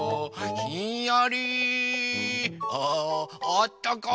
ああったか。